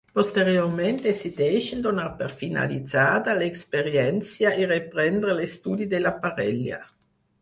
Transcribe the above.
Posteriorment decideixen donar per finalitzada l'experiència i reprendre l'estudi de la parella.